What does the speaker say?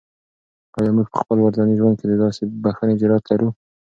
آیا موږ په خپل ورځني ژوند کې د داسې بښنې جرات لرو؟